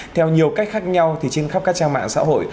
theo nhiều cách khác nhau thì trên khắp các trang mạng xã hội